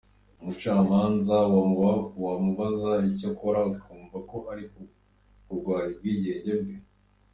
Umucamanza wamubaza ibyo akora akumva ko uri kurwanya ubwigenge bwe.